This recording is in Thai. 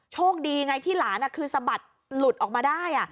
โชคดีไงที่หลานคือสะบัดหลุดออกมาได้